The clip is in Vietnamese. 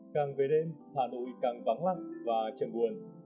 càng về đêm hà nội càng vắng lặng và chẳng buồn